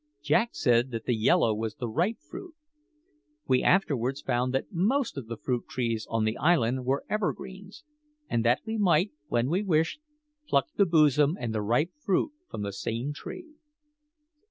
Jack said that the yellow was the ripe fruit. We afterwards found that most of the fruit trees on the island were evergreens, and that we might, when we wished, pluck the blossom and the ripe fruit from the same tree.